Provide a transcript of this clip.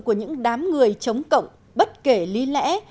của những đám người chống cộng bất kể lý lẽ